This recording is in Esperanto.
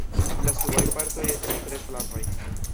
La subaj partoj estas tre flavaj.